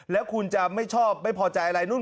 แล้วคุณจะไม่ชอบไม่พอใจอะไรนู่น